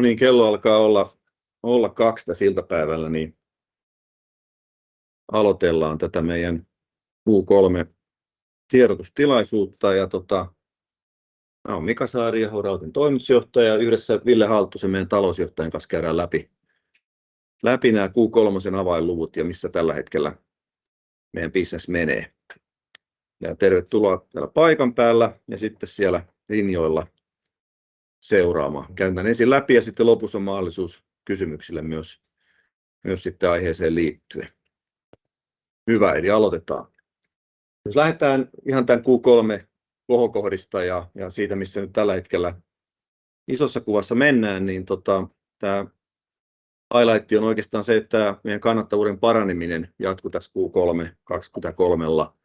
Niin, kello alkaa olla kaksi iltapäivällä, niin aloitellaan tätä meidän Q3 tiedotustilaisuutta. Mä oon Mika Saariaho, Rauta Oy:n toimitusjohtaja ja yhdessä Ville Halttusen, meidän talousjohtajan kanssa käydään läpi nää Q3:n avainluvut ja missä tällä hetkellä meidän bisnes menee. Tervetuloa täällä paikan päällä ja sitten siellä linjoilla seuraamaan! Käyn tän ensin läpi ja sitten lopussa on mahdollisuus kysymyksille myös aiheeseen liittyen. Hyvä, eli aloitetaan. Jos lähdetään ihan tän Q3 kohokohdista ja siitä, missä nyt tällä hetkellä isossa kuvassa mennään, niin tää highlightti on oikeastaan se, että meidän kannattavuuden paraneminen jatkui tässä Q3 2023:lla.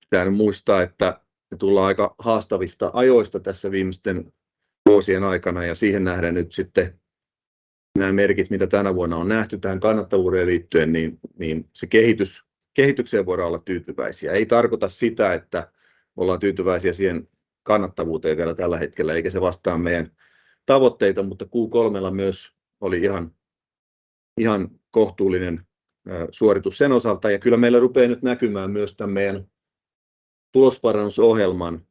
Pitäähän muistaa, että me tullaan aika haastavista ajoista tässä viimeisten vuosien aikana ja siihen nähden nyt sitten nää merkit, mitä tänä vuonna on nähty tähän kannattavuuteen liittyen, niin se kehitykseen voidaan olla tyytyväisiä. Ei tarkoita sitä, että me ollaan tyytyväisiä siihen kannattavuuteen vielä tällä hetkellä, eikä se vastaa meidän tavoitteita, mutta Q3:lla myös oli ihan kohtuullinen suoritus sen osalta. Kyllä meillä rupeaa nyt näkymään myös tän meidän tulosparannusohjelman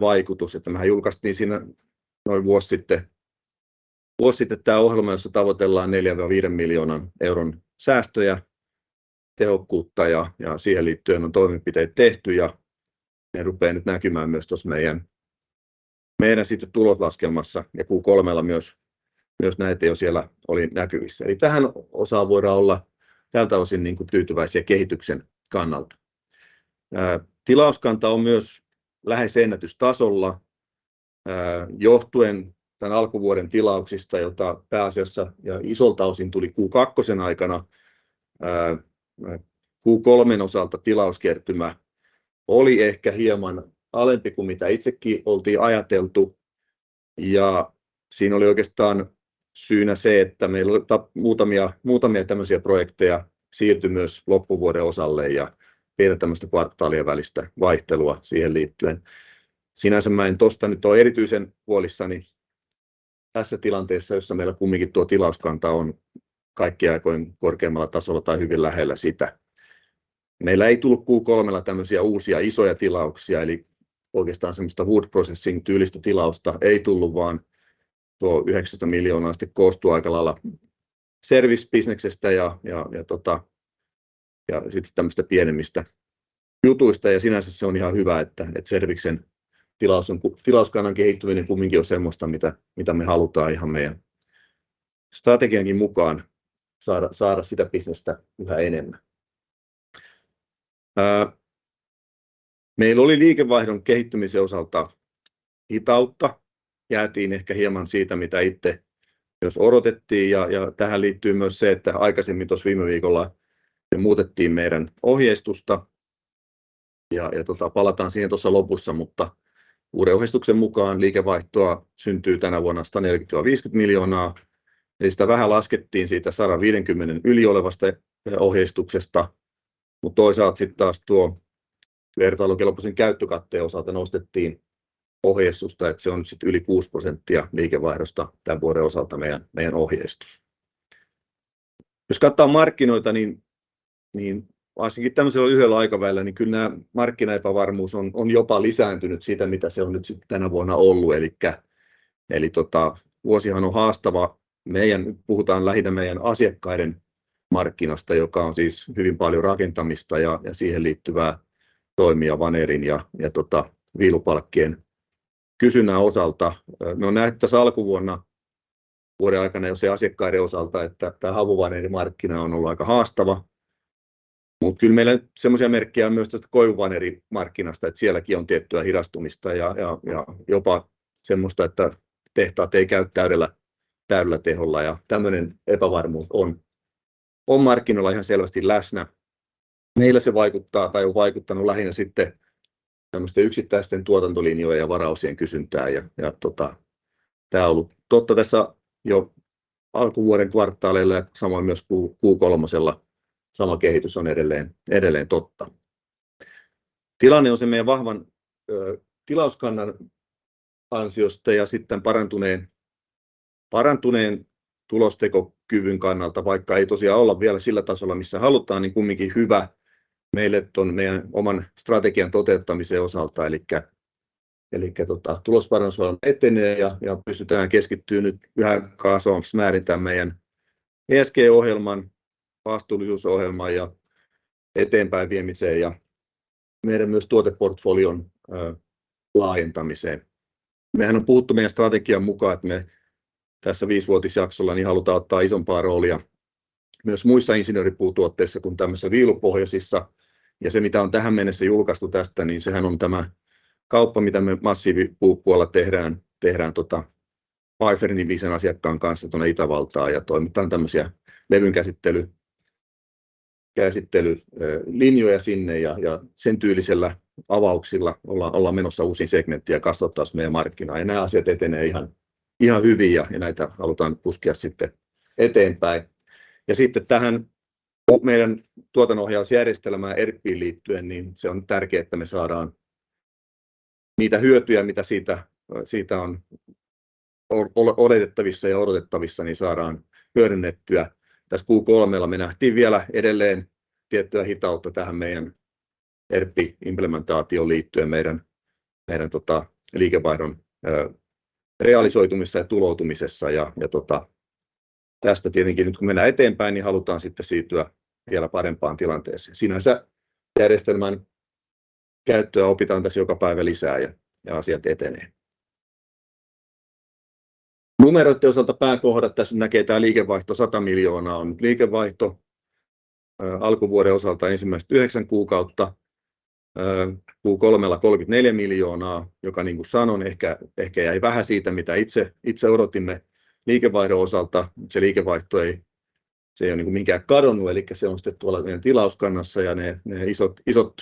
vaikutus, että mehän julkaistiin siinä noin vuosi sitten tää ohjelma, jossa tavoitellaan €4-5 miljoonan säästöjä, tehokkuutta ja siihen liittyen on toimenpiteet tehty ja ne rupeaa nyt näkymään myös tuossa meidän tuloslaskelmassa ja Q3:lla myös. Näitä jo siellä oli näkyvissä, eli tähän osaan voidaan olla tältä osin tyytyväisiä kehityksen kannalta. Tilauskanta on myös lähes ennätystasolla, johtuen tän alkuvuoden tilauksista, joita pääasiassa ja isolta osin tuli Q2 aikana. Q3:n osalta tilauskertymä oli ehkä hieman alempi kuin mitä itsekin oltiin ajateltu, ja siinä oli oikeastaan syynä se, että meillä oli muutamia projekteja siirtyi myös loppuvuoden osalle ja hieman tämmöistä kvartaalien välistä vaihtelua siihen liittyen. Sinänsä mä en tosta nyt ole erityisen huolissani tässä tilanteessa, jossa meillä kumminkin tuo tilauskanta on kaikkien aikojen korkeimmalla tasolla tai hyvin lähellä sitä. Meillä ei tullut Q3:lla tämmösiä uusia isoja tilauksia, eli oikeastaan semmoista wood processing tyylistä tilausta ei tullut, vaan tuo 19 miljoonaa koostuu aikalailla service bisneksestä ja sitten tämmöisistä pienemmistä jutuista. Sinänsä se on ihan hyvä, että serviksen tilauskannan kehittyminen kumminkin on semmoista, mitä me halutaan ihan meidän strategiankin mukaan saada sitä bisnestä yhä enemmän. Meillä oli liikevaihdon kehittymisen osalta hitautta. Jäätiin ehkä hieman siitä, mitä itse myös odotettiin. Ja, tähän liittyy myös se, että aikaisemmin tuossa viime viikolla me muutettiin meidän ohjeistusta ja palataan siihen tuossa lopussa, mutta uuden ohjeistuksen mukaan liikevaihtoa syntyy tänä vuonna €140-150 miljoonaa, eli sitä vähän laskettiin siitä yli €150 miljoonan olevasta ohjeistuksesta. Mutta toisaalta sitten taas vertailukelpoisen käyttökatteen osalta nostettiin ohjeistusta, että se on nyt sitten yli 6% liikevaihdosta tän vuoden osalta meidän ohjeistus. Jos katsoo markkinoita, niin varsinkin tämmöisellä lyhyellä aikavälillä, niin kyllä markkinaepävarmuus on jopa lisääntynyt siitä, mitä se on nyt sitten tänä vuonna ollut. Eli vuosihan on haastava. Meidän nyt puhutaan lähinnä meidän asiakkaiden markkinasta, joka on siis hyvin paljon rakentamista ja siihen liittyvää toimia vanerin ja viilupalkkien kysynnän osalta. Me on nähty tässä alkuvuonna, vuoden aikana jo asiakkaiden osalta, että tää havuhan eri markkina on ollut aika haastava. Mutta kyllä meillä sellaisia merkkejä on myös tästä koivuvanerimarkkinasta, että sielläkin on tiettyä hidastumista ja jopa semmoista, että tehtaat ei käy täydellä teholla. Tämmöinen epävarmuus on markkinoilla ihan selvästi läsnä. Meillä se vaikuttaa tai on vaikuttanut lähinnä sitten tämmöisten yksittäisten tuotantolinjojen ja varaosien kysyntään. Tää on ollut totta tässä jo alkuvuoden kvartaaleilla ja samoin myös Q3:lla sama kehitys on edelleen totta. Tilanne on se meidän vahvan tilauskannan ansiosta ja sitten parantuneen tulostekokyvyn kannalta, vaikka ei tosiaan olla vielä sillä tasolla, missä halutaan, niin kumminkin hyvä meille ton meidän oman strategian toteuttamisen osalta. Tulosparannusohjelma etenee ja pystytään keskittymään nyt yhä kasvavaksi määrin tähän meidän ESG-ohjelman vastuullisuusohjelmaan ja eteenpäin viemiseen ja meidän myös tuoteportfolion laajentamiseen. Mehän on puhuttu meidän strategian mukaan, että me tässä viisivuotisjaksolla halutaan ottaa isompaa roolia myös muissa insinööripuutuotteissa kuin tämmöisissä viilupohjaisissa. Se, mitä on tähän mennessä julkaistu tästä, on tämä kauppa, mitä me massiivipuupuolella tehdään Piper-nimisen asiakkaan kanssa tuonne Itävaltaan ja toimitetaan tämmösiä levynkäsittelylinjoja sinne. Sen tyylisillä avauksilla ollaan menossa uusiin segmentteihin kasvattamaan meidän markkinaa, ja nää asiat etenee ihan hyvin ja näitä halutaan puskea eteenpäin. Meidän tuotannonohjausjärjestelmään ERP:iin liittyen on tärkeää, että me saadaan niitä hyötyjä, mitä siitä on odotettavissa, hyödynnettyä. Tässä Q3:lla me nähtiin vielä edelleen tiettyä hitautta tähän meidän ERP-implementaatioon liittyen, meidän liikevaihdon realisoitumisessa ja tuloutumisessa. Tästä tietenkin nyt kun mennään eteenpäin, halutaan sitten siirtyä vielä parempaan tilanteeseen. Sinänsä järjestelmän käyttöä opitaan tässä joka päivä lisää ja asiat etenee. Numeroiden osalta pääkohdat. Tässä näkee tää liikevaihto €100 miljoonaa on nyt liikevaihto alkuvuoden osalta ensimmäiset yhdeksän kuukautta. Q3:lla €34 miljoonaa, joka niin kuin sanoin, ehkä jäi vähän siitä, mitä itse odotimme liikevaihdon osalta. Se liikevaihto ei ole mihinkään kadonnut. Se on sitten tuolla meidän tilauskannassa ja ne isot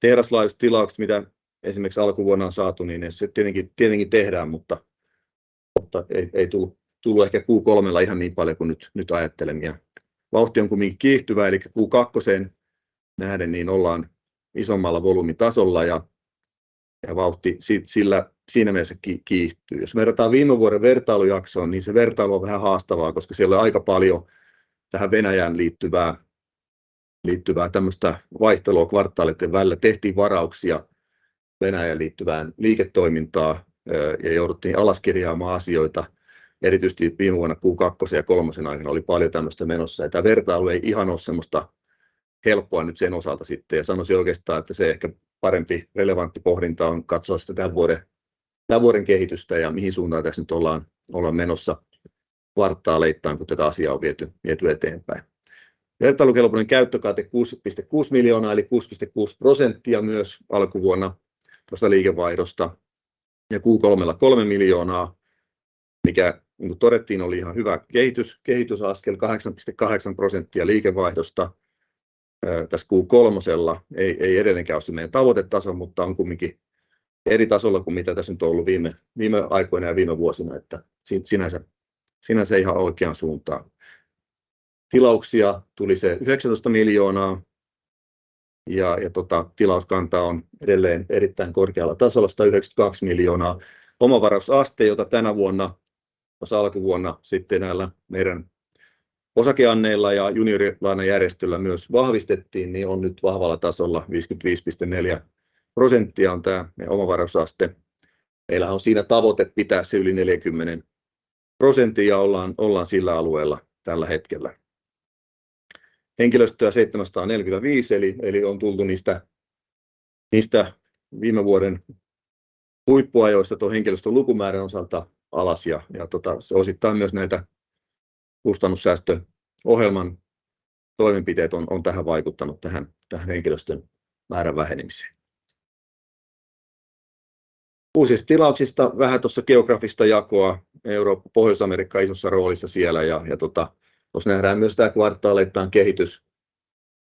tehdaslaajuiset tilaukset, mitä esimerkiksi alkuvuonna on saatu, niin se tietenkin tehdään, mutta ei tullut ehkä Q3:lla ihan niin paljon kuin nyt ajattelimme. Vauhti on kuitenkin kiihtyvää, eli Q2:een nähden ollaan isommalla volyymitasolla ja vauhti siinä mielessä kiihtyy. Jos verrataan viime vuoden vertailujaksoon, niin se vertailu on vähän haastavaa, koska siellä on aika paljon tähän Venäjään liittyvää tämmöistä vaihtelua kvartaalien välillä. Tehtiin varauksia Venäjään liittyvään liiketoimintaan ja jouduttiin alaskirjaamaan asioita. Erityisesti viime vuonna Q2 ja kolmosen aikana oli paljon tämmöistä menossa, ja tämä vertailu ei ihan ole semmoista helppoa nyt sen osalta sitten. Sanoisin oikeastaan, että se ehkä parempi relevantti pohdinta on katsoa sitä tämän vuoden kehitystä ja mihin suuntaan tässä nyt ollaan menossa kvartaaleittain, kun tätä asiaa on viety eteenpäin. Vertailukelpoinen käyttökate €6.6 miljoonaa eli 6.6% myös alkuvuonna tuosta liikevaihdosta ja Q3:lla €3 miljoonaa, mikä niin kuin todettiin, oli ihan hyvä kehitys. Kehitysaskel 8.8% liikevaihdosta tässä Q3:lla. Ei edelleenkään ole se meidän tavoitetaso, mutta on kuitenkin eri tasolla kuin mitä tässä nyt on ollut viime aikoina ja viime vuosina. Että sinänsä ihan oikeaan suuntaan. Tilauksia tuli se €19 miljoonaa ja tilauskanta on edelleen erittäin korkealla tasolla, €192 miljoonaa. Omavaraisuusaste, jota tänä vuonna alkuvuonna sitten näillä meidän osakeanneilla ja juniorilainajärjestelyllä myös vahvistettiin, on nyt vahvalla tasolla. 55,4% on tää meidän omavaraisuusaste. Meillähän on siinä tavoite pitää se yli 40% ja ollaan sillä alueella tällä hetkellä. Henkilöstöä 745. On tultu niistä viime vuoden huippuajoista tuon henkilöstön lukumäärän osalta alas ja se osittain myös näitä kustannussäästöohjelman toimenpiteet on tähän vaikuttanut tähän henkilöstön määrän vähenemiseen. Uusista tilauksista vähän tuossa geografista jakoa. Eurooppa, Pohjois-Amerikka isossa roolissa siellä. Tuossa nähdään myös tää kvartaaleittain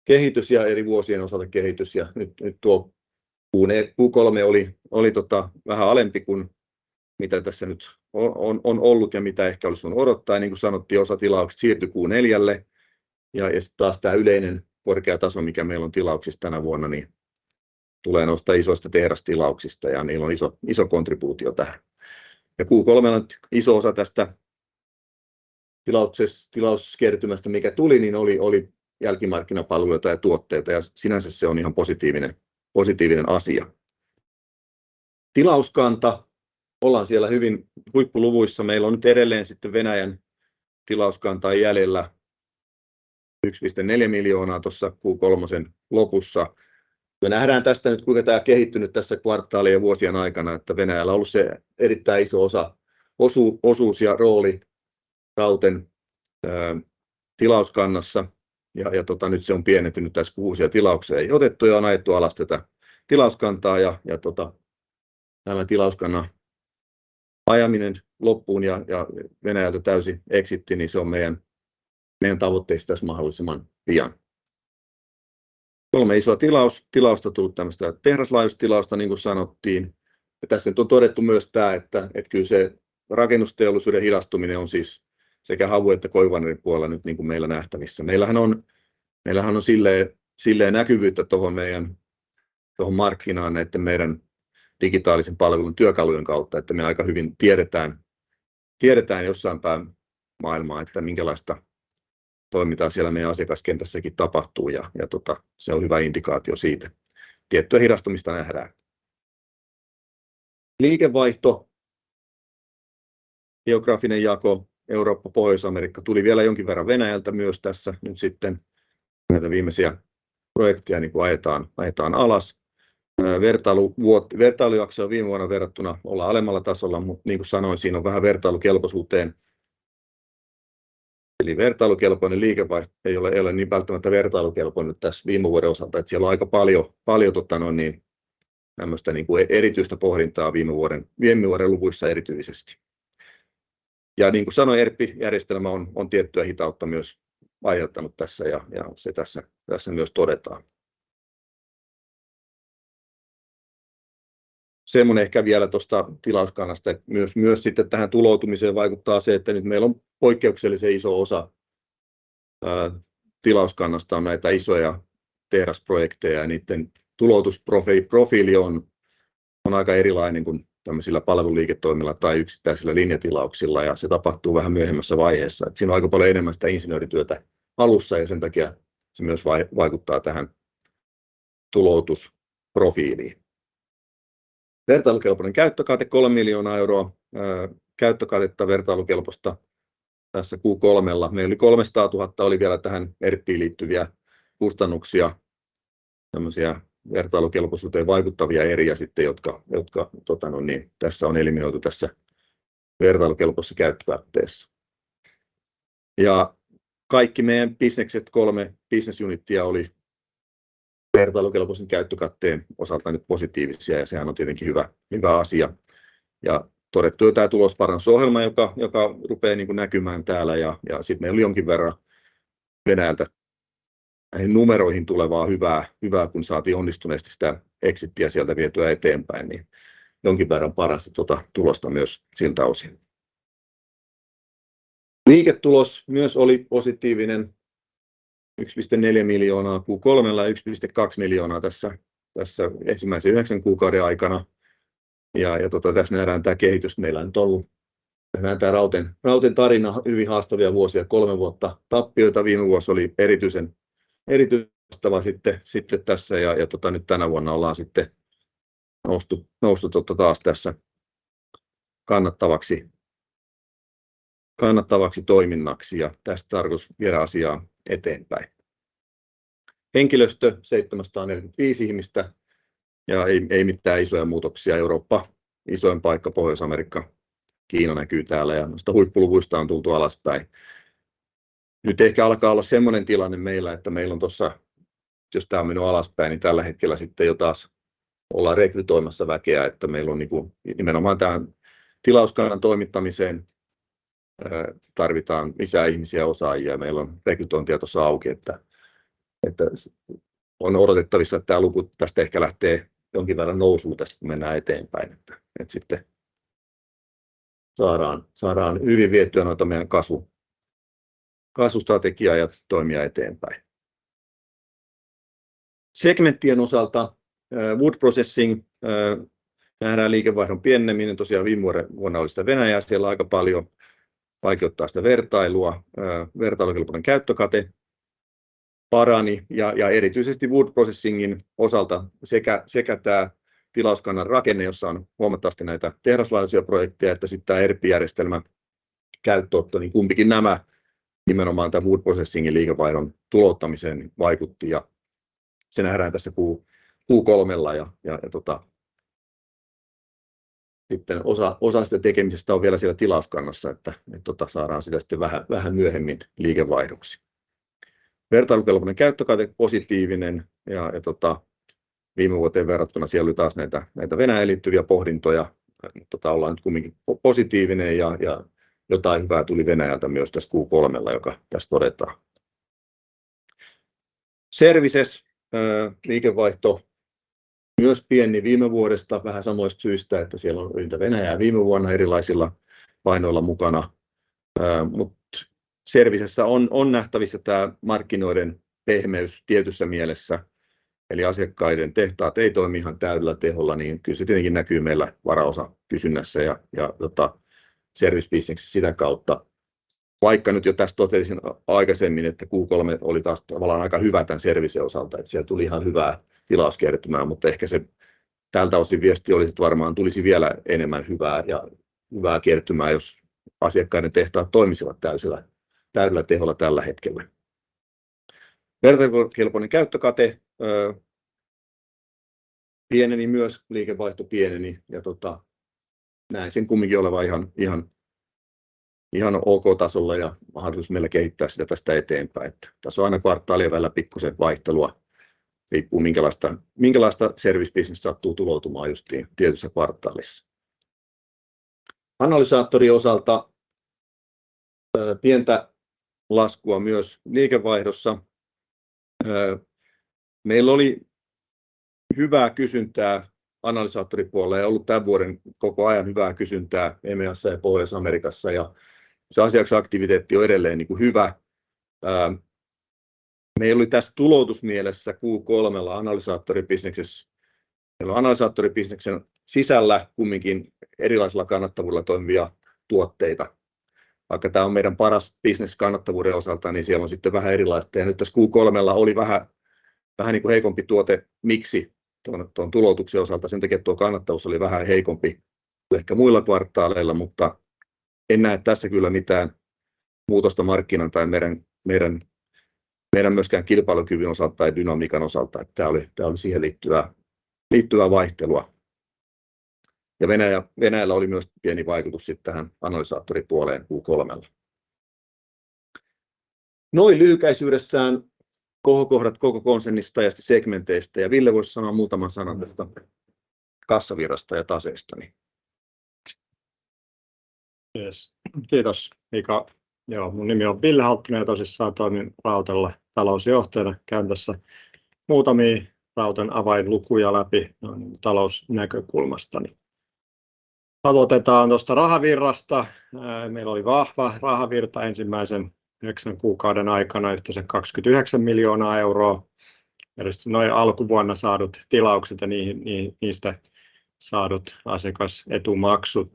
kehitys ja eri vuosien osalta kehitys. Nyt tuo Q3 oli vähän alempi kuin mitä tässä nyt on ollut ja mitä ehkä olisi voinut odottaa. Niin kuin sanottiin, osa tilauksista siirtyi Q4:lle. Ja sitten taas tämä yleinen korkea taso, mikä meillä on tilauksissa tänä vuonna, niin tulee noista isoista tehdastilauksista ja niillä on iso kontribuutio tähän. Q3:lla iso osa tästä tilauskertymästä, mikä tuli, niin oli jälkimarkkinapalveluita ja tuotteita, ja sinänsä se on ihan positiivinen asia. Tilauskanta ollaan siellä hyvin huippuluvuissa. Meillä on nyt edelleen sitten Venäjän tilauskantaa jäljellä 1.4 miljoonaa tuossa Q3:n lopussa. Me nähdään tästä nyt, kuinka tämä on kehittynyt tässä kvartaalien ja vuosien aikana, että Venäjällä on ollut se erittäin iso osa, osuus ja rooli Rauten tilauskannassa ja nyt se on pienentynyt. Tässä uusia tilauksia ei otettu ja on ajettu alas tätä tilauskantaa ja tilauskannan ajaminen loppuun ja Venäjältä täysi exitti, niin se on meidän tavoitteissa tässä mahdollisimman pian. Kolme isoa tilausta tullut tämmöistä tehdaslaajuista tilausta, niin kuin sanottiin. Ja tässä nyt on todettu myös tää, että kyllä se rakennusteollisuuden hidastuminen on siis sekä havu- että koivuvanerin puolella nyt meillä nähtävissä. Meillähän on selleen näkyvyyttä tuohon meidän markkinaan, että meidän digitaalisen palvelun työkalujen kautta me aika hyvin tiedetään jossain päin maailmaa, että minkälaista toimintaa siellä meidän asiakaskentässäkin tapahtuu. Se on hyvä indikaatio siitä. Tiettyä hidastumista nähdään. Liikevaihto, geografinen jako. Eurooppa, Pohjois-Amerikka. Tuli vielä jonkin verran Venäjältä myös. Tässä nyt sitten näitä viimeisiä projekteja ajetaan alas. Vertailuvuot, vertailujaksoon viime vuoteen verrattuna ollaan alemmalla tasolla, mutta niin kuin sanoin, siinä on vähän vertailukelpoisuuteen. Vertailukelpoinen liikevaihto ei ole niin välttämättä vertailukelpoinen tässä viime vuoden osalta, että siellä on aika paljon tämmöistä erityistä pohdintaa viime vuoden luvuissa erityisesti. Ja niin kuin sanoin, ERP-järjestelmä on tiettyä hitautta myös aiheuttanut tässä ja se tässä myös todetaan. Semmonen ehkä vielä tosta tilauskannasta, että myös sitten tähän tuloutumiseen vaikuttaa se, että nyt meillä on poikkeuksellisen iso osa tilauskannasta on näitä isoja tehdasprojekteja ja niiden tuloutusprofiili on aika erilainen kuin tämmösillä palveluliiketoimilla tai yksittäisillä linjatilauksilla, ja se tapahtuu vähän myöhemmässä vaiheessa. Siinä on aika paljon enemmän sitä insinöörityötä alussa ja sen takia se myös vaikuttaa tähän tuloutusprofiiliin. Vertailukelpoinen käyttökate €3 miljoonaa. Käyttökatetta vertailukelpoista. Tässä Q3:lla meillä oli €300,000 oli vielä tähän ERP:iin liittyviä kustannuksia. Tämmösiä vertailukelpoisuuteen vaikuttavia eriä sitten, jotka tässä on eliminoitu tässä vertailukelpoisessa käyttökatteessa. Kaikki meidän bisnekset, kolme business unitia, oli vertailukelpoisen käyttökatteen osalta nyt positiivisia ja sehän on tietenkin hyvä asia. Todettu jo tää tulosparannusohjelma, joka rupeaa näkymään täällä. Sitten meillä oli jonkin verran Venäjältä näihin numeroihin tulevaa hyvää, kun saatiin onnistuneesti sitä exitiä sieltä vietyä eteenpäin, niin jonkin verran paransi tulosta myös siltä osin. Liiketulos myös oli positiivinen, 1.4 miljoonaa Q3:lla ja 1.2 miljoonaa tässä ensimmäisen yhdeksän kuukauden aikana. Tässä nähdään tää kehitys. Meillähän nyt on ollut, nähdään tää Rauten tarina. Hyvin haastavia vuosia, kolme vuotta tappioita. Viime vuosi oli erityisen haastava sitten tässä ja nyt tänä vuonna ollaan sitten noustu taas tässä kannattavaksi toiminnaksi ja tästä tarkoitus viedä asiaa eteenpäin. Henkilöstö 745 ihmistä ja ei mitään isoja muutoksia. Eurooppa isoin paikka, Pohjois-Amerikka, Kiina näkyy täällä ja noista huippuluvuista on tultu alaspäin. Nyt ehkä alkaa olla sellainen tilanne meillä, että meillä on tuossa, jos tää on mennyt alaspäin, niin tällä hetkellä sitten jo taas ollaan rekrytoimassa väkeä. Meillä on nimenomaan tähän tilauskannan toimittamiseen tarvitaan lisää ihmisiä, osaajia ja meillä on rekrytointeja tuossa auki, että on odotettavissa, että tää luku tästä ehkä lähtee jonkin verran nousuun tästä, kun mennään eteenpäin, että sitten saadaan hyvin vietyä noita meidän kasvustrategiaa ja toimia eteenpäin. Segmenttien osalta Wood Processing nähdään liikevaihdon pieneneminen. Tosiaan viime vuonna oli sitä Venäjää siellä aika paljon. Vaikeuttaa sitä vertailua. Vertailukelpoinen käyttökate parani ja erityisesti Wood Processingin osalta sekä tää tilauskannan rakenne, jossa on huomattavasti näitä tehdaslaajuisia projekteja, että sitten tää ERP-järjestelmän käyttöönotto, niin kumpikin nämä nimenomaan tän Wood Processingin liikevaihdon tulouttamiseen vaikutti ja se nähdään tässä Q3:lla. Sitten osa siitä tekemisestä on vielä siellä tilauskannassa, että saadaan sitä sitten vähän myöhemmin liikevaihdoksi. Vertailukelpoinen käyttökate positiivinen ja viime vuoteen verrattuna siellä oli taas näitä Venäjään liittyviä pohdintoja. Ollaan nyt kuitenkin positiivinen ja jotain hyvää tuli Venäjältä myös tässä Q3:lla, joka tässä todetaan. Services. Liikevaihto myös pieni viime vuodesta. Vähän samoista syistä, että siellä on riittävä Venäjää viime vuonna erilaisilla painoilla mukana. Mutta Servicesissä on nähtävissä tää markkinoiden pehmeys tietyssä mielessä. Asiakkaiden tehtaat ei toimi ihan täydellä teholla, niin kyllä se tietenkin näkyy meillä varaosakysynnässä ja servicebisneksessä sitä kautta. Vaikka nyt jo tässä totesin aikaisemmin, että Q3 oli taas tavallaan aika hyvä tän Servicesin osalta, että siellä tuli ihan hyvää tilauskertymää, mutta ehkä se tältä osin viesti oli, että varmaan tulisi vielä enemmän hyvää ja hyvää kertymää, jos asiakkaiden tehtaat toimisivat täysillä, täydellä teholla tällä hetkellä. Vertailukelpoinen käyttökate pieneni, myös liikevaihto pieneni ja näen sen kuitenkin olevan ihan ok tasolla ja mahdollisuus meillä kehittää sitä tästä eteenpäin. Tässä on aina kvartaalien välillä pikkusen vaihtelua. Riippuu minkälaista servicebisnes sattuu tuloutumaan juuri tietyssä kvartaalissa. Analysaattorien osalta pientä laskua myös liikevaihdossa. Meillä oli hyvää kysyntää analysaattoripuolella ja ollut tän vuoden koko ajan hyvää kysyntää EMEAssa ja Pohjois-Amerikassa ja se asiakasaktiviteetti on edelleen hyvä. Me ei ollut tässä tuloutusmielessä Q3:lla analysaattoribisneksessä. Meillä on analysaattoribisneksen sisällä kuitenkin erilaisilla kannattavuudella toimivia tuotteita. Vaikka tää on meidän paras bisnes kannattavuuden osalta, niin siellä on sitten vähän erilaista. Ja nyt tässä Q3:lla oli vähän heikompi tuote tuon tuloutuksen osalta. Sen takia tuo kannattavuus oli vähän heikompi kuin ehkä muilla kvartaaleilla, mutta en näe tässä kyllä mitään muutosta markkinan tai meidän kilpailukyvyn osalta tai dynamiikan osalta, että tää oli tähän liittyvää vaihtelua. Ja Venäjällä oli myös pieni vaikutus sitten tähän analysaattoripuoleen Q3:lla. Noin lyhykäisyydessään kohokohdat koko konsernista ja segmenteistä. Ja Ville voisi sanoa muutaman sanan tuosta kassavirrasta ja taseesta. Jees, kiitos Mika! Joo, mun nimi on Ville Halpponen ja tosissaan toimin Rautalla talousjohtajana. Käyn tässä muutamia Rautan avainlukuja läpi noin talousnäkökulmastani. Aloitetaan tuosta rahavirrasta. Meillä oli vahva rahavirta ensimmäisen yhdeksän kuukauden aikana, yhteensä €29 miljoonaa. Erityisesti nuo alkuvuonna saadut tilaukset ja niihin, niistä saadut asiakasetumaksut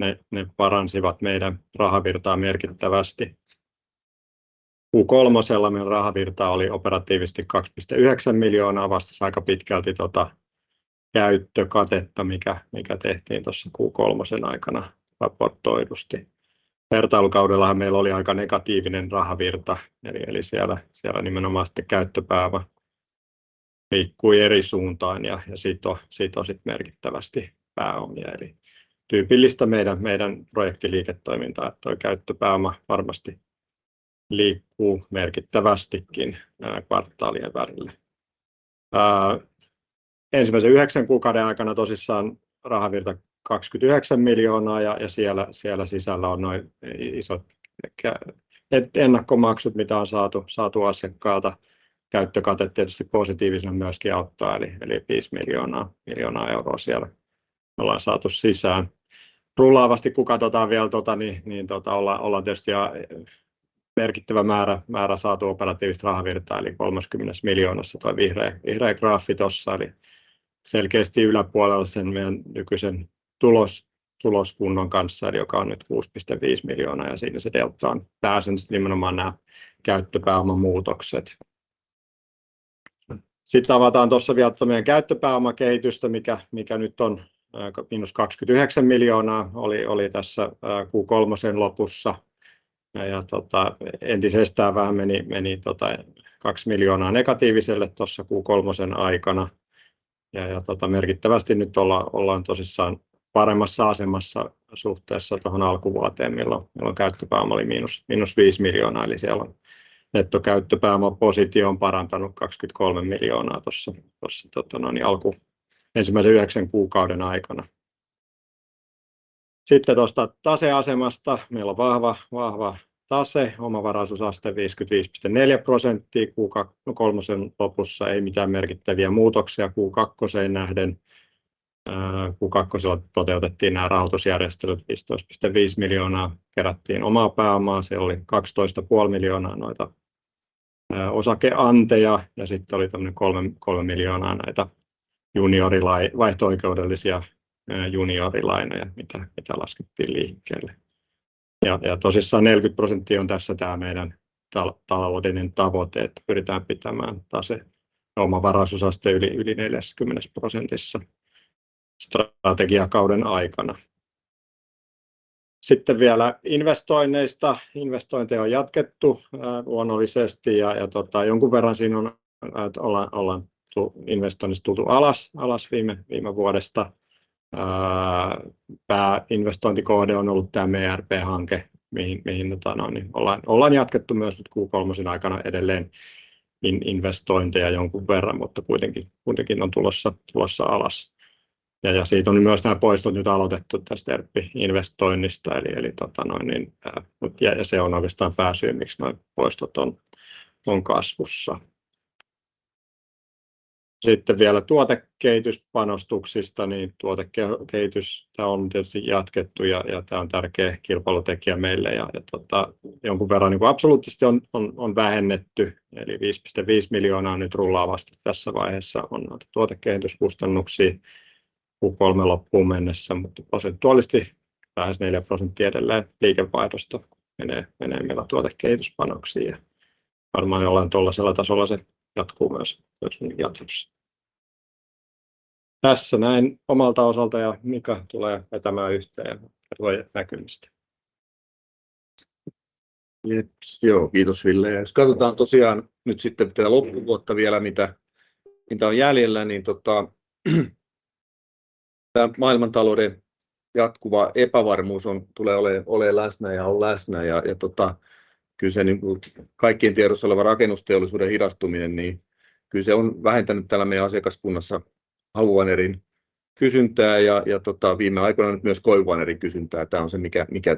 paransivat meidän rahavirtaa merkittävästi. Q3:lla meidän rahavirta oli operatiivisesti €2.9 miljoonaa. Vastasi aika pitkälti tuota käyttökatetta, mikä tehtiin tuossa Q3 aikana raportoidusti. Vertailukaudella meillä oli aika negatiivinen rahavirta. Siellä nimenomaan sitten käyttöpääoma liikkui eri suuntaan ja sitoo sitten merkittävästi pääomia. Tyypillistä meidän projektiliiketoimintaa, että toi käyttöpääoma varmasti liikkuu merkittävästikin näiden kvartaalien välillä. Ensimmäisen yhdeksän kuukauden aikana tosissaan rahavirta €29 miljoonaa ja siellä sisällä on noi isot ennakkomaksut, mitä on saatu asiakkaalta. Käyttökate tietysti positiivisen myöskin auttaa. Eli viisi miljoonaa euroa siellä me ollaan saatu sisään. Rullaavasti kun katotaan vielä, niin ollaan tietysti merkittävä määrä saatu operatiivista rahavirtaa. Kolmekymmentä miljoonaa toi vihreä graafi tuossa, eli selkeästi yläpuolella sen meidän nykyisen tuloskunnon kanssa, eli joka on nyt 6.5 miljoonaa ja siinä se delta on pääosin sitten nimenomaan nämä käyttöpääoman muutokset. Sitten avataan tuossa vielä meidän käyttöpääomakehitystä, mikä nyt on -29 miljoonaa. Oli tässä Q3:n lopussa ja entisestään vähän meni kaksi miljoonaa negatiiviselle tuossa Q3 aikana. Merkittävästi nyt ollaan tosissaan paremmassa asemassa suhteessa tuohon alkuvuoteen, milloin käyttöpääoma oli -5 miljoonaa. Eli siellä nettokäyttöpääomapositio on parantanut 23 miljoonaa tuossa ensimmäisen yhdeksän kuukauden aikana. Sitten tuosta taseasemasta. Meillä on vahva tase. Omavaraisuusaste 55.4%. Q2:n kolmosen lopussa ei mitään merkittäviä muutoksia Q2:een nähden. Q2:lla toteutettiin nämä rahoitusjärjestelyt. 15.5 miljoonaa kerättiin omaa pääomaa. Siellä oli 12.5 miljoonaa noita osakeanteja ja sitten oli tämmöinen 3 miljoonaa näitä juniorilainoja, vaihto-oikeudellisia juniorilainoja, mitä laskettiin liikkeelle. Ja tosissaan 40% on tässä meidän taloudellinen tavoite, että pyritään pitämään tase omavaraisuusaste yli 40%:ssa strategiakauden aikana. Sitten vielä investoinneista. Investointeja on jatkettu luonnollisesti ja jonkun verran siinä on ollaan investoinneissa tultu alas viime vuodesta. Pääinvestointikohde on ollut tämä meidän ERP-hanke, mihin ollaan jatkettu myös nyt Q3:n aikana edelleen investointeja jonkun verran, mutta kuitenkin on tulossa alas ja siitä on myös nämä poistot nyt aloitettu tästä ERP-investoinnista. Se on oikeastaan pääsyy, miksi noi poistot on kasvussa. Sitten vielä tuotekehityspanostuksista, niin tuotekehitys. Tää on tietysti jatkettu ja tää on tärkeä kilpailutekijä meille ja jonkun verran niinku absoluuttisesti on vähennetty. Eli 5.5 miljoonaa nyt rullaavasti tässä vaiheessa on noita tuotekehityskustannuksia Q3 loppuun mennessä, mutta prosentuaalisesti lähes 4% edelleen liikevaihdosta menee tuotekehityspanostuksiin ja varmaan jollain tuollaisella tasolla se jatkuu myös jatkossa. Tässä näin omalta osaltani ja Mika tulee vetämään yhteen ja kertoo näkymistä. Jeps, joo, kiitos Ville! Jos katsotaan tosiaan nyt sitten tätä loppuvuotta vielä, mitä on jäljellä, niin tämä maailmantalouden jatkuva epävarmuus tulee olemaan läsnä ja on läsnä. Kyllä se kaikkien tiedossa oleva rakennusteollisuuden hidastuminen on vähentänyt täällä meidän asiakaskunnassa haapavaneerin kysyntää ja viime aikoina nyt myös koivuvanerin kysyntää. Tämä on se, mikä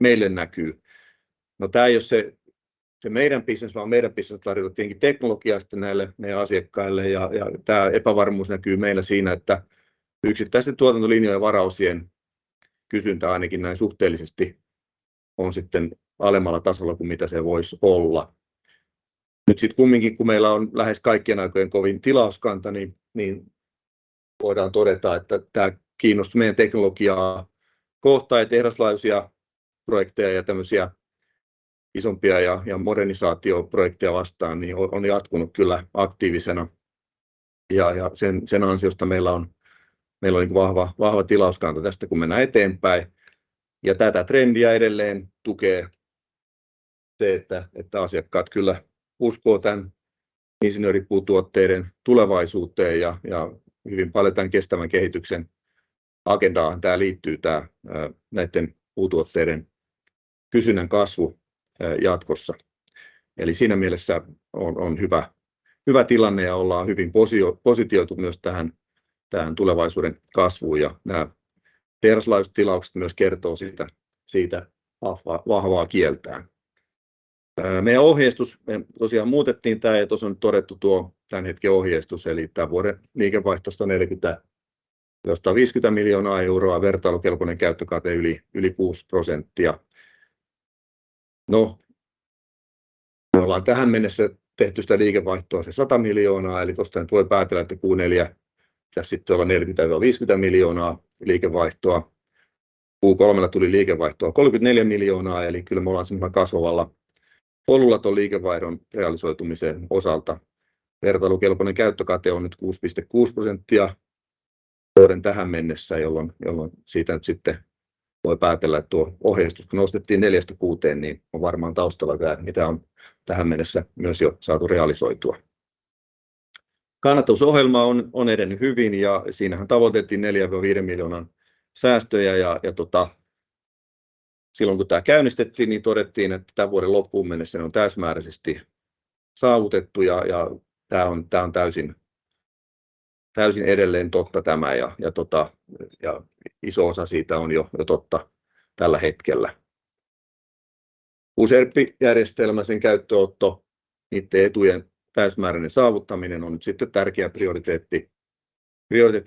meille näkyy. Tämä ei ole se meidän bisnes, vaan meidän bisnes tarjotaan tietenkin teknologiaa sitten näille meidän asiakkaille. Tämä epävarmuus näkyy meillä siinä, että yksittäisten tuotantolinjojen varaosien kysyntä, ainakin näin suhteellisesti, on sitten alemmalla tasolla kuin mitä se voisi olla. Nyt sitten kuitenkin, kun meillä on lähes kaikkien aikojen kovin tilauskanta, niin voidaan todeta, että tämä kiinnostus meidän teknologiaa kohtaan ja erilaisia projekteja ja tämmöisiä isompia ja modernisaatioprojekteja vastaan on jatkunut kyllä aktiivisena. Sen ansiosta meillä on vahva tilauskanta. Tästä kun mennään eteenpäin, tätä trendiä edelleen tukee se, että asiakkaat kyllä uskoo tän insinööripuutuotteiden tulevaisuuteen ja hyvin paljon tän kestävän kehityksen agendaanhan tää liittyy tää näitten puutuotteiden käyttö, pysyvän kasvu jatkossa. Siinä mielessä on hyvä tilanne ja ollaan hyvin positioitu myös tähän tulevaisuuden kasvuun. Nää teollisuustilaukset myös kertoo siitä vahvaa kieltään. Meidän ohjeistus, me tosiaan muutettiin tää ja tuossa on nyt todettu tuo tän hetken ohjeistus. Tää vuoden liikevaihto on €140-150 miljoonaa. Vertailukelpoinen käyttökate yli 6%. Me ollaan tähän mennessä tehty sitä liikevaihtoa se €100 miljoonaa, eli tuosta nyt voi päätellä, että Q4 pitäis sitten olla €40-50 miljoonaa liikevaihtoa. Q3:lla tuli liikevaihtoa 34 miljoonaa, eli kyllä me ollaan semmoilla kasvavalla polulla ton liikevaihdon realisoitumisen osalta. Vertailukelpoinen käyttökate on nyt 6.6% vuoden tähän mennessä, jolloin siitä nyt sitten voi päätellä, että tuo ohjeistus kun nostettiin neljästä kuuteen, niin on varmaan taustalla vaikka mitä on tähän mennessä myös jo saatu realisoitua. Kannattavuusohjelma on edennyt hyvin ja siinähän tavoiteltiin neljän viivan viiden miljoonan säästöjä. Silloin kun tää käynnistettiin, niin todettiin, että tän vuoden loppuun mennessä ne on täysimääräisesti saavutettu. Tää on täysin edelleen totta tämä. Iso osa siitä on jo totta tällä hetkellä. Useampi järjestelmä, sen käyttöönotto, niitten etujen täysimääräinen saavuttaminen on nyt sitten tärkeä prioriteetti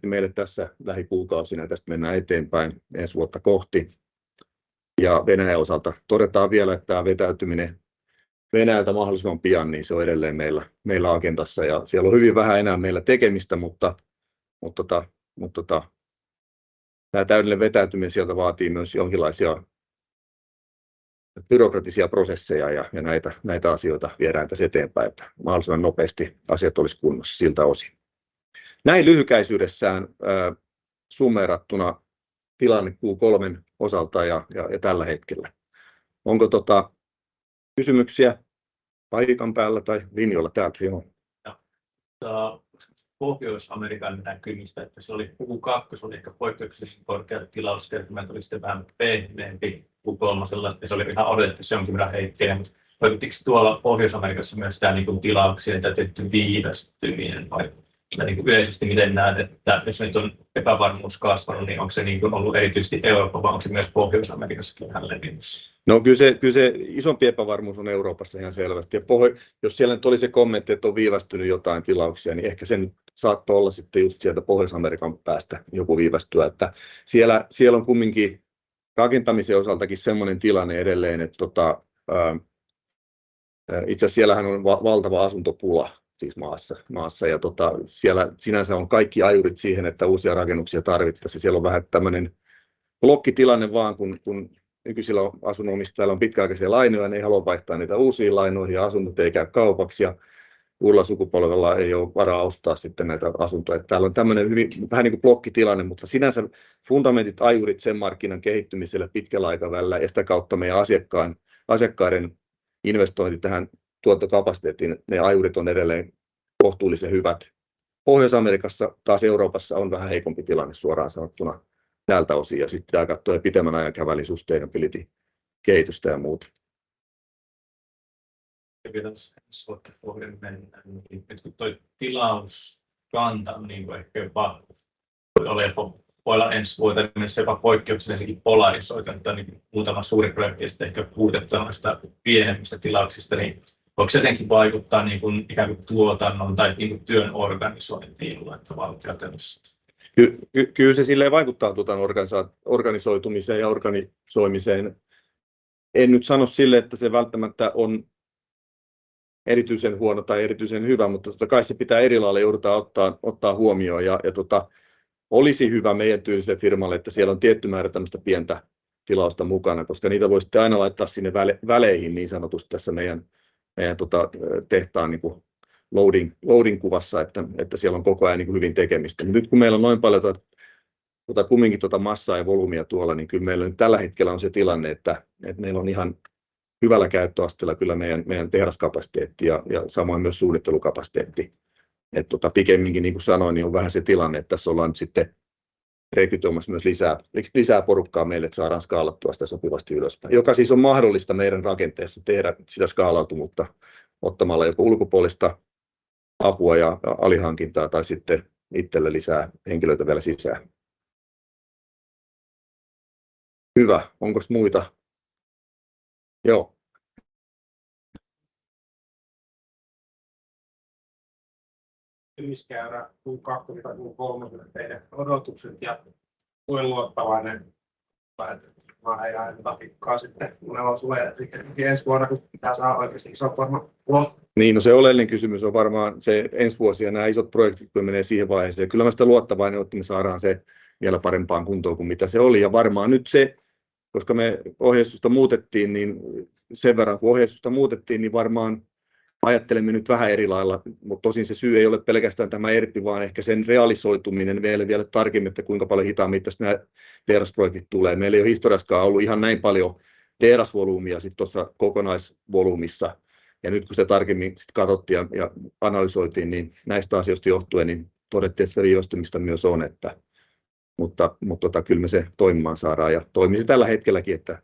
meille tässä lähipikuukausina. Tästä mennään eteenpäin ensi vuotta kohti. Ja Venäjän osalta todetaan vielä, että tää vetäytyminen Venäjältä mahdollisimman pian, niin se on edelleen meillä agendassa ja siellä on hyvin vähän enää meillä tekemistä. Mutta tää täydellinen vetäytyminen sieltä vaatii myös jonkinlaisia byrokraattisia prosesseja ja näitä asioita viedään tässä eteenpäin, että mahdollisimman nopeasti asiat olisi kunnossa siltä osin. Näin lyhykäisyydessään summeerattuna tilanne Q3:n osalta ja tällä hetkellä. Onko kysymyksiä paikan päällä tai linjoilla? Täältä joo. Ja saa Pohjois-Amerikan näkymistä, että se oli Q2 on ehkä poikkeuksellisen korkea tilauskertymä. Tuli sitten vähän pehmeämpi Q3, ja se oli ihan odotettavissa jonkin verran heikkoa. Mutta johtiko tuolla Pohjois-Amerikassa myös tää tilauksien täytyy viivästyminen vai onko yleisesti, miten näet, että jos nyt on epävarmuus kasvanut, niin onko se ollut erityisesti Eurooppa, vai onko se myös Pohjois-Amerikassakin tällainen? Kyllä se isompi epävarmuus on Euroopassa ihan selvästi. Jos siellä nyt oli se kommentti, että on viivästynyt jotain tilauksia, niin ehkä se nyt saattoi olla sitten just sieltä Pohjois-Amerikan päästä joku viivästynyt, että siellä on kuitenkin rakentamisen osaltakin semmoinen tilanne edelleen, että itse asiassa siellähän on valtava asuntopula maassa ja siellä sinänsä on kaikki ajurit siihen, että uusia rakennuksia tarvittaisiin. Siellä on vähän tämmöinen blokkitilanne vaan, kun nykyisillä asunnonomistajilla on pitkäaikaisia lainoja, ne ei halua vaihtaa niitä uusiin lainoihin ja asunnot ei käy kaupaksi ja nuorella sukupolvella ei ole varaa ostaa sitten näitä asuntoja. Siellä on tämmöinen hyvin vähän blokkitilanne, mutta sinänsä fundamentit, ajurit sen markkinan kehittymiselle pitkällä aikavälillä ja sitä kautta meidän asiakkaiden investointi tähän tuotantokapasiteettiin, ne ajurit on edelleen kohtuullisen hyvät Pohjois-Amerikassa. Taas Euroopassa on vähän heikompi tilanne suoraan sanottuna tältä osin. Ja sitten pitää katsoa pitemmän aikavälin sustainability-kehitystä ja muuta. Vielä tässä ensi vuotta kohden mennä, niin nyt kun toi tilauskanta niinku ehkä jopa voi olla ensi vuoteen mennessä jopa poikkeuksellisestikin polarisoitunut. Tai niinku muutama suuri projekti ja sitten ehkä huudettuna noista pienemmistä tilauksista, niin voiko se jotenkin vaikuttaa, niin kun ikään kuin tuotannon tai niinku työn organisointiin jollain tavalla käytännössä? Kyllä se sillä lailla vaikuttaa tuotannon organisoitumiseen ja organisoimiseen. En nyt sano sillä, että se välttämättä on erityisen huono tai erityisen hyvä, mutta totta kai se pitää eri lailla joudutaan ottamaan huomioon. Olisi hyvä meidän tyyliselle firmalle, että siellä on tietty määrä tämmöistä pientä tilausta mukana, koska niitä voi sitten aina laittaa sinne väleihin niin sanotusti tässä meidän tehtaan loading-kuvassa, että siellä on koko ajan hyvin tekemistä. Nyt kun meillä on noin paljon kuitenkin massaa ja volyymia tuolla, niin kyllä meillä nyt tällä hetkellä on se tilanne, että meillä on ihan hyvällä käyttöasteella kyllä meidän tehdas kapasiteetti ja samoin myös suunnittelukapasiteetti. Totta, pikemminkin niin kuin sanoin, on vähän se tilanne, että tässä ollaan nyt sitten rekrytoimassa myös lisää porukkaa meille, että saadaan skaalattua sitä sopivasti ylöspäin, joka siis on mahdollista meidän rakenteessa tehdä sitä skaalautuvuutta ottamalla joko ulkopuolista apua ja alihankintaa tai sitten itselle lisää henkilöitä vielä sisään. Hyvä. Onkos muita? Joo. Hyvis käyrä, Q2 tai Q3 teidän odotukset ja kuinka luottavainen vai ihan epävarmaa sitten kun evo tulee ensi vuonna, kun pitää saada oikeasti isot varmaan ulos. No niin, se oleellinen kysymys on varmaan se ensi vuosi ja nää isot projektit, kun menee siihen vaiheeseen. Kyllä mä olen sitä luottavainen, että me saadaan se vielä parempaan kuntoon kuin mitä se oli. Varmaan nyt se, koska me ohjeistusta muutettiin, niin sen verran kun ohjeistusta muutettiin, niin varmaan ajattelemme nyt vähän eri lailla. Mutta tosin se syy ei ole pelkästään tämä ERP, vaan ehkä sen realisoituminen meille vielä tarkemmin, että kuinka paljon hitaammitassa nää tehdasprojektit tulee. Meillä ei ole historiassakaan ollut ihan näin paljon tehdasvolyymia sitten tuossa kokonaisvolyymissa, ja nyt kun se tarkemmin sitten katsottiin ja analysoitiin, niin näistä asioista johtuen todettiin, että se viivästymistä myös on. Mutta kyllä me se toimimaan saadaan ja toimii se tällä hetkelläkin, että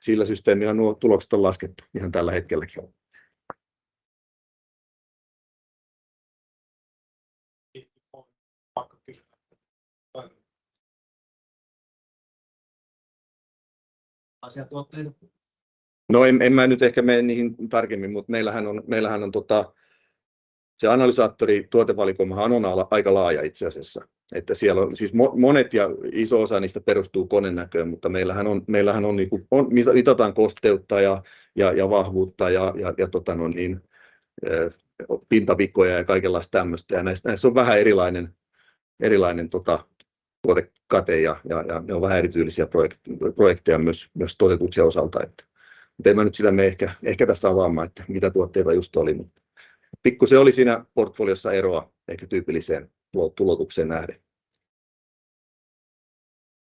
sillä systeemillä nuo tulokset on laskettu ihan tällä hetkelläkin. Pakko kiittää. Asiatuotteita. No, en mene niihin tarkemmin, mutta meillähän on se analysaattorituotevalikoimahan aika laaja itse asiassa, että siellä on monet ja iso osa niistä perustuu konenäköön. Mutta meillähän on mitataan kosteutta ja vahvuutta ja pintavikoja ja kaikenlaista tämmöistä. Näissä on vähän erilainen tuotekate ja ne on vähän erityylisiä projekteja myös toteutuksen osalta. En mä sitä mee ehkä tässä avaamaan, että mitä tuotteita just oli, mutta pikkuisen oli siinä portfoliossa eroa ehkä tyypilliseen tulotukseen nähden.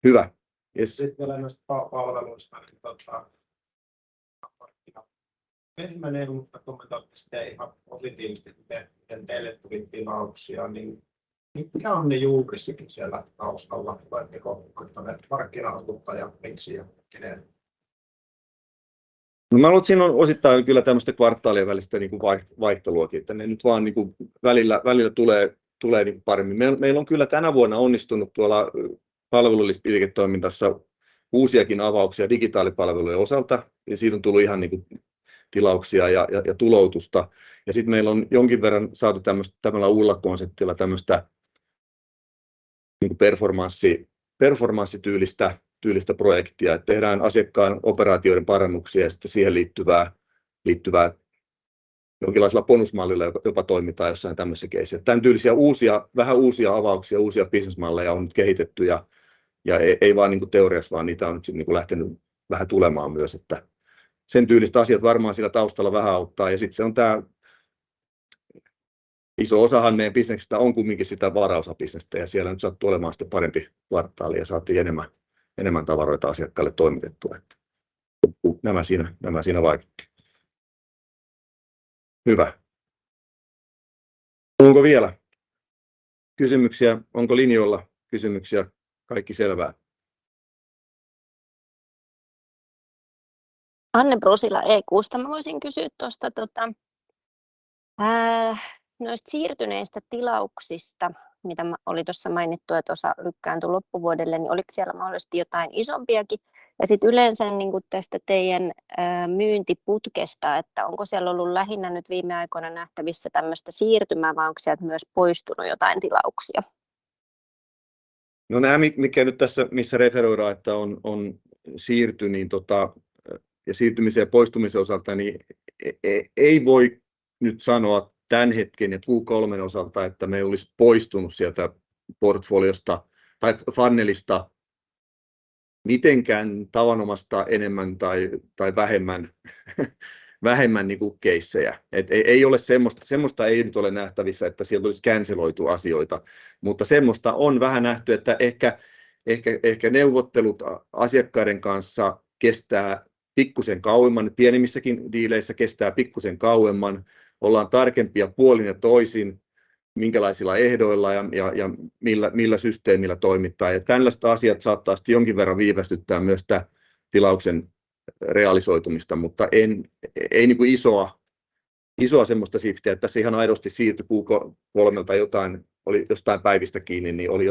Hyvä, jes! Sitten vielä näistä palveluista, niin markkina pehmenee, mutta kommentoitte sitä ihan positiivisesti, miten teille tuli tilauksia, niin mitkä on ne juurisyyt siellä taustalla, että koette, että markkina kasvuttaa ja miksi ja kenen? Mä luulen, että siinä on osittain kyllä tämmöistä kvartaalien välistä vaihtelua, että ne nyt vaan välillä tulee paremmin. Meillä on kyllä tänä vuonna onnistunut tuolla palveluliiketoiminnassa uusiakin avauksia digitaalipalvelujen osalta, ja siitä on tullut tilauksia ja tuloutusta. Sitten meillä on jonkin verran saatu tämmöisellä uudella konseptilla tämmöistä performanssityylistä projektia, että tehdään asiakkaan operaatioiden parannuksia ja sitten siihen liittyvää. Jonkinlaisella bonusmallilla jopa toimitaan jossain tämmöisissä keisseissä. Tän tyylisiä uusia, vähän uusia avauksia, uusia bisnesmalleja on nyt kehitetty ja ei vaan teoriassa, vaan niitä on nyt sitten lähtenyt vähän tulemaan myös, että sen tyyliset asiat varmaan siellä taustalla vähän auttaa. Ja sitten se on tää, iso osahan meidän bisneksestä on kuitenkin sitä varaosabisnestä ja siellä nyt sattui olemaan sitten parempi kvartaali ja saatiin enemmän, enemmän tavaroita asiakkaille toimitettua, että nämä siinä, nämä siinä vaikutti. Hyvä. Onko vielä kysymyksiä? Onko linjoilla kysymyksiä? Kaikki selvää. Anne Brusila EQsta. Mä voisin kysyä tosta, noista siirtyneistä tilauksista, mitä oli tuossa mainittu, että osa lykkääntyy loppuvuodelle, niin oliko siellä mahdollisesti jotain isompiakin? Ja sitten yleensä tästä teidän myyntiputkesta, että onko siellä ollut lähinnä nyt viime aikoina nähtävissä tämmöistä siirtymää vai onko sieltä myös poistunut jotain tilauksia? Nää, mitkä nyt tässä, missä referoidaan, että on siirtynyt, ja siirtymisen ja poistumisen osalta, ei voi nyt sanoa tän hetken ja Q3:n osalta, että meillä olisi poistunut sieltä portfoliosta tai funnelista mitenkään tavanomaista enemmän tai vähemmän keissejä. Ei ole semmoista. Semmoista ei nyt ole nähtävissä, että sieltä olisi canceloitu asioita, mutta semmoista on vähän nähty, että ehkä neuvottelut asiakkaiden kanssa kestää pikkuisen kauemmin. Pienemmissäkin diileissä kestää pikkuisen kauemmin. Ollaan tarkempia puolin ja toisin, minkälaisilla ehdoilla ja millä systeemillä toimitaan. Tällaiset asiat saattaa sitten jonkin verran viivästyttää myös tätä tilauksen realisoitumista, mutta ei isoa semmoista shifttiä, että tässä ihan aidosti siirtyi Q3:lta jotain, oli jostain päivistä kiinni, oli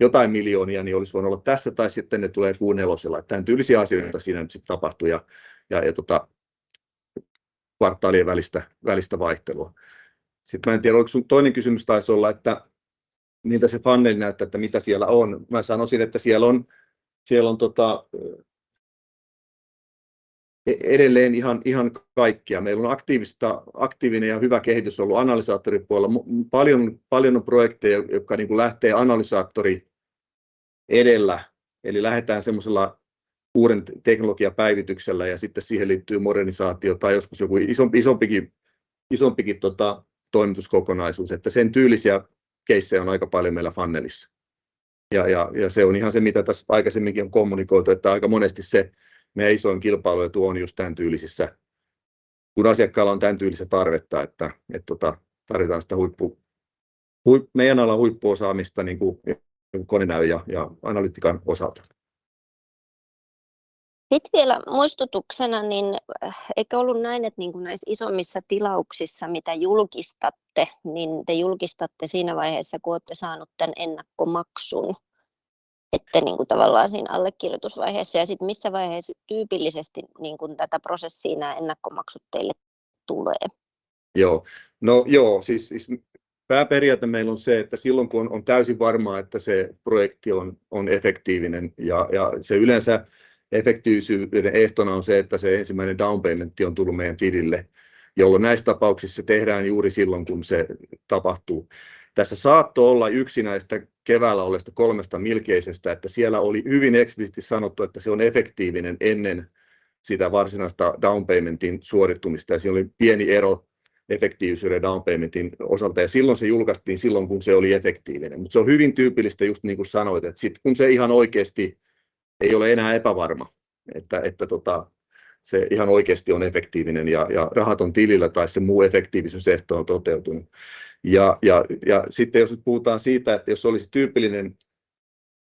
jotain miljoonia, olisi voinut olla tässä tai sitten ne tulee Q4:llä. Tän tyylisiä asioita siinä nyt sitten tapahtuu ja kvartaalien välistä vaihtelua. Sitten mä en tiedä, oliko sun toinen kysymys taisi olla, että miltä se funneli näyttää, että mitä siellä on. Mä sanoisin, että siellä on edelleen ihan kaikkea. Meillä on aktiivinen ja hyvä kehitys ollut analysaattoripuolella. Paljon on projekteja, jotka lähtee analysaattori edellä, eli lähdetään semmoisella uuden teknologian päivityksellä ja sitten siihen liittyy modernisaatio tai joskus joku isompikin toimituskokonaisuus. Sen tyylisiä keissejä on aika paljon meillä funnelissa, ja se on ihan se, mitä tässä aikaisemminkin on kommunikoitu, että aika monesti se meidän isoin kilpailuetu on just tän tyylisissä, kun asiakkaalla on tän tyylistä tarvetta, että tarjotaan sitä meidän alan huippuosaamista konenäön ja analytiikan osalta. Sitten vielä muistutuksena, niin ehkä ollut näin, että näissä isommissa tilauksissa, mitä julkistatte, niin te julkistatte siinä vaiheessa, kun olette saanut tän ennakkomaksun, että tavallaan siinä allekirjoitusvaiheessa. Ja sitten missä vaiheessa tyypillisesti tätä prosessia nää ennakkomaksut teille tulee? Pääperiaate meillä on se, että silloin, kun on täysin varmaa, että se projekti on efektiivinen ja se yleensä efektiivisyyden ehtona on se, että se ensimmäinen downpayment on tullut meidän tilille, jolloin näissä tapauksissa se tehdään juuri silloin, kun se tapahtuu. Tässä saattoi olla yksi näistä keväällä olleista kolmesta milkeisestä, että siellä oli hyvin eksplisiittisesti sanottu, että se on efektiivinen ennen sitä varsinaista downpaymentin suorittumista, ja siinä oli pieni ero efektiivisyyden ja downpaymentin osalta, ja silloin se julkaistiin silloin, kun se oli efektiivinen. Mutta se on hyvin tyypillistä, just niin kuin sanoit, että sitten kun se ihan oikeasti ei ole enää epävarma, että se ihan oikeasti on efektiivinen ja rahat on tilillä tai se muu efektiivisyysehto on toteutunut. Ja sitten jos nyt puhutaan siitä, että jos olisi tyypillinen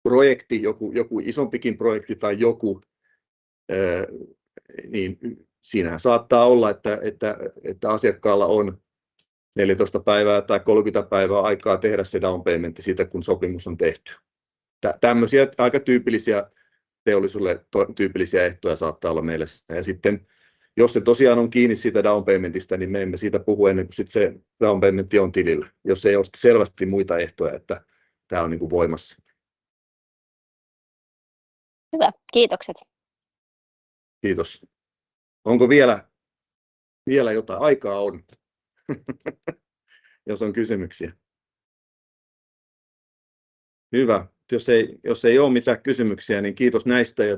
projekti, joku isompikin projekti, niin siinähän saattaa olla, että asiakkaalla on neljätoista päivää tai kolmekymmentä päivää aikaa tehdä se downpayment siitä, kun sopimus on tehty. Tällaisia aika tyypillisiä, teollisuudelle tyypillisiä ehtoja saattaa olla meillä. Ja sitten, jos se tosiaan on kiinni siitä downpaymentista, niin me emme siitä puhu ennen kuin sitten se downpayment on tilillä. Jos ei ole selvästi muita ehtoja, että tää on niinku voimassa. Hyvä, kiitokset! Kiitos! Onko vielä jotain? Aikaa on. Jos on kysymyksiä. Hyvä. Jos ei oo mitään kysymyksiä, niin kiitos näistä ja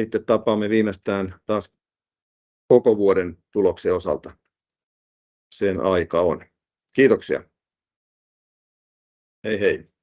sitten tapaamme viimeistään taas koko vuoden tuloksien osalta. Sen aika on. Kiitoksia. Heihei!